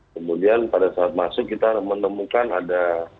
kemudian pada saat masuk kita menemukan ada